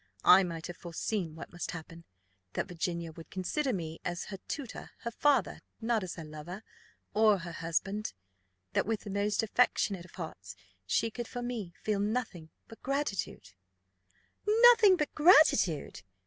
I might have foreseen what must happen, that Virginia would consider me as her tutor, her father, not as her lover, or her husband; that with the most affectionate of hearts, she could for me feel nothing but gratitude." "Nothing but gratitude!"